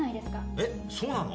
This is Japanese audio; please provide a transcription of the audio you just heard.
えっそうなの？